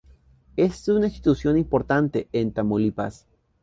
Es una institución importante en Tamaulipas.